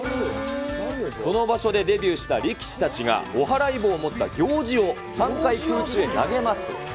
その場所でデビューした力士たちがお払い棒を持った行司を３回、空中へ投げます。